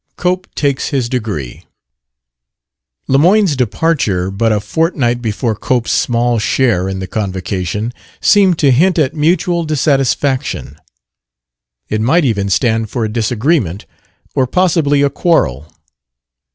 32 COPE TAKES HIS DEGREE Lemoyne's departure but a fortnight before Cope's small share in the convocation seemed to hint at mutual dissatisfaction; it might even stand for a disagreement, or possibly a quarrel.